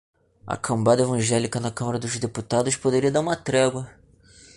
A cambada evangélica na Câmara dos Deputados poderia dar uma trégua